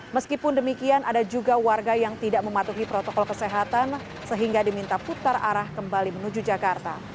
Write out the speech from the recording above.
meskipun demikian ada juga warga yang tidak mematuhi protokol kesehatan sehingga diminta putar arah kembali menuju jakarta